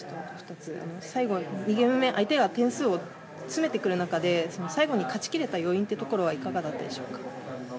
２ゲーム目相手が点差を詰めてくるところで最後に勝ち切れた要因というのはいかがだったでしょうか？